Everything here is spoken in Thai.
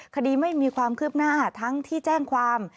คดีไม่มีความคืบหน้าทั้งที่แจ้งความ